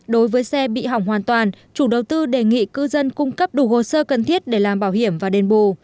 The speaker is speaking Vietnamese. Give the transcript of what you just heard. đối với xe bị hỏng hoàn toàn chủ đầu tư đề nghị cư dân cung cấp đủ hồ sơ cần thiết để làm bảo hiểm và đền bù